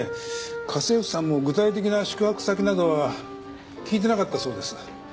家政婦さんも具体的な宿泊先などは聞いてなかったそうです。